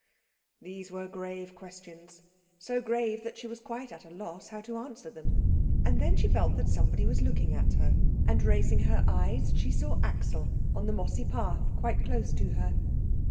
These were grave questions; so grave that she was quite at a loss how to answer them. And then she felt that somebody was looking at her; and raising her eyes, she saw Axel on the mossy path quite close to her.